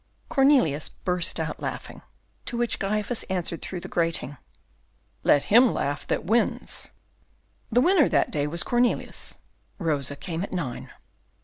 Cornelius burst out laughing, to which Gryphus answered through the grating, "Let him laugh that wins." The winner that day was Cornelius; Rosa came at nine.